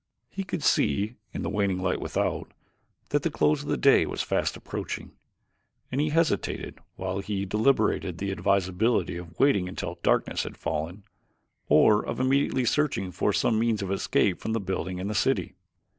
He could see, in the waning light without, that the close of the day was fast approaching, and he hesitated while he deliberated the advisability of waiting until darkness had fallen, or of immediately searching for some means of escape from the building and the city.